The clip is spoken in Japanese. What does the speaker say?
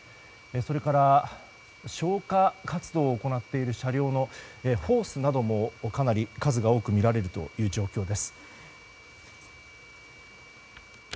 それから消火活動を行っている車両のホースなどもかなり数が多く見られるという状況です。